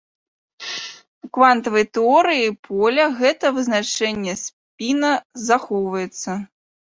У квантавай тэорыі поля гэта вызначэнне спіна захоўваецца.